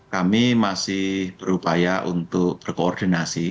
kami masih berupaya untuk berkoordinasi